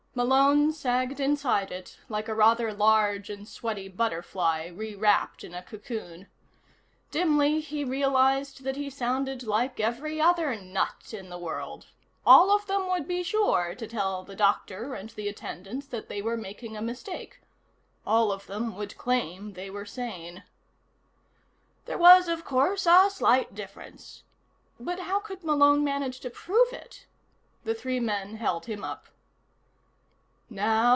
Malone sagged inside it like a rather large and sweaty butterfly rewrapped in a cocoon. Dimly, he realized that he sounded like every other nut in the world. All of them would be sure to tell the doctor and the attendants that they were making a mistake. All of them would claim they were sane. There was, of course, a slight difference. But how could Malone manage to prove it? The three men held him up.